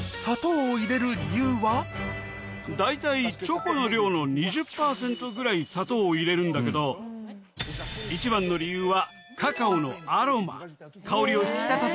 大体チョコの量の２０％ぐらい砂糖を入れるんだけど一番の理由は。